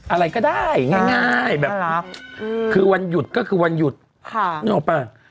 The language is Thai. อะไรก็ได้ง่ายแบบอืมคือวันหยุดก็คือวันหยุดค่ะนี่หรอเปล่า